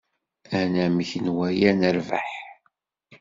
Anamek n waya nerbeḥ?